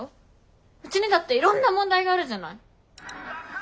うちにだっていろんな問題があるじゃない。